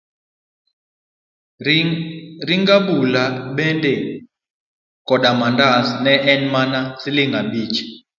Ring abula bende koda mandas ne en mana siling' abich.